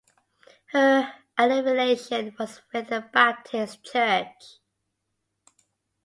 Her affiliation was with the Baptist Church.